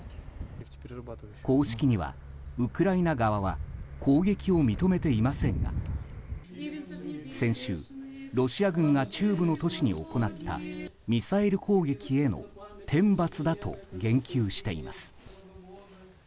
公式にはウクライナ側は攻撃を認めていませんが先週、ロシア軍が中部の都市に行ったミサイル攻撃への天罰だと言及しています。